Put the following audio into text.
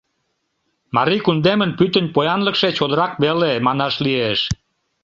Марий кундемын пӱтынь поянлыкше чодырак веле, манаш лиеш.